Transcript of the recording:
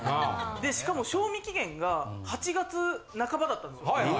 しかも賞味期限が８月半ばだったんです。